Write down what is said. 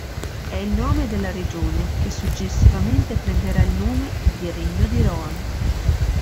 È il nome della regione che successivamente prenderà il nome di Regno di Rohan.